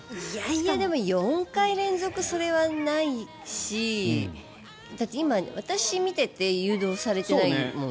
いや、でも４回連続それはないし今、私見ていて誘導されてないもん。